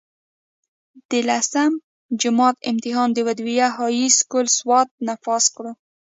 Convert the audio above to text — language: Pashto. د لسم جمات امتحان د ودوديه هائي سکول سوات نه پاس کړو